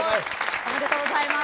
おめでとうございます。